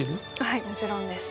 はいもちろんです。